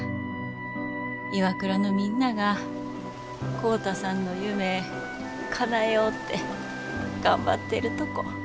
ＩＷＡＫＵＲＡのみんなが浩太さんの夢かなえよって頑張ってるとこ。